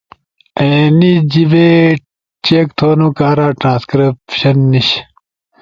اینی جیِبے چیک تھؤنو کارا ٹرانسکرائبشن نیِش،